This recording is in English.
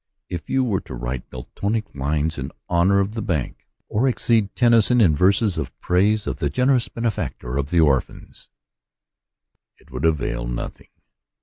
If you were to write Miltonic lines in honor of the bank, or exceed Tennyson in verses in praise of the generous benefactor of the orphans, it would avail nothing.